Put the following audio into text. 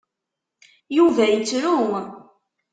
Yuba yettru.